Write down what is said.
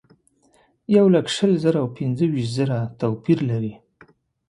یولک شل زره او پنځه ویشت زره توپیر لري.